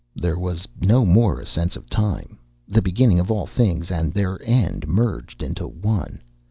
_There was no more a sense of time; the beginning of all things and their end merged into one.